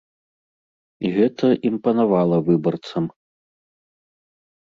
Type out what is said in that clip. І гэта імпанавала выбарцам.